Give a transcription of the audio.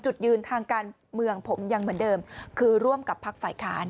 จุดยืนทางการเมืองผมยังเหมือนเดิมคือร่วมกับพักฝ่ายค้าน